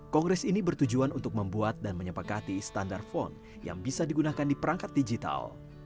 kongres ini bertujuan untuk membuat dan menyepakati standar font yang bisa digunakan di perangkat digital